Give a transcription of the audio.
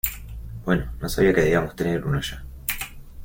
Bueno, no sabia que debíamos tener uno ya.